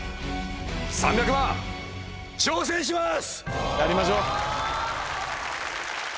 ３００万挑戦します！